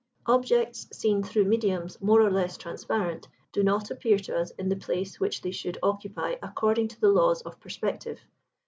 Objects seen through mediums more or less transparent do not appear to us in the place which they should occupy according to the laws of perspective.